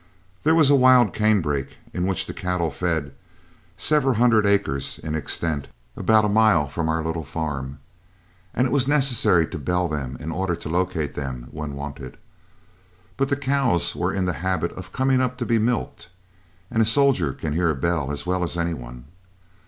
There was a wild canebrake, in which the cattle fed, several hundred acres in extent, about a mile from our little farm, and it was necessary to bell them in order to locate them when wanted. But the cows were in the habit of coming up to be milked, and a soldier can hear a bell as well as any one.